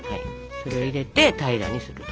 それ入れて平らにすると。